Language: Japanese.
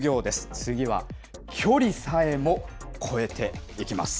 次は距離さえも超えていきます。